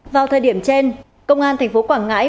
vào thời điểm trên công an tp quảng ngãi